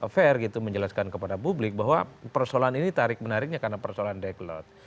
fair gitu menjelaskan kepada publik bahwa persoalan ini tarik menariknya karena persoalan deadlock